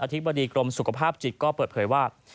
ธิบดีกรมสุขภาพจิตก็เปิดเผยว่า